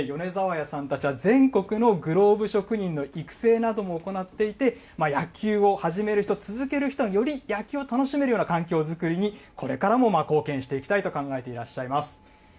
米沢谷さんたちは全国のグローブ職人の育成なども行っていて、野球を始める人、続ける人、より野球を楽しめる環境作りにこれからも貢献していきたいと考えていらっしゃいます。